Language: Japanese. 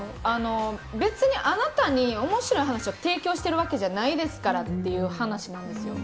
別にあなたに面白い話を提供してるわけじゃないですからって話なんですよ。